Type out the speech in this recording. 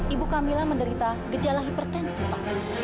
ibu kamilah menderita gejala hipertensi ma